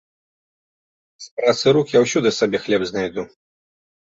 З працы рук я ўсюды сабе хлеб знайду.